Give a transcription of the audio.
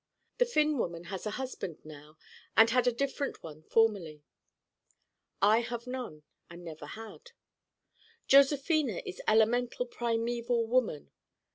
The Finn woman has a husband now and had a different one formerly. I have none and never had. Josephina is elemental primeval woman.